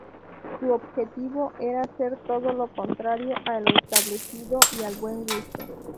Su objetivo era ser todo lo contrario a lo establecido y al buen gusto.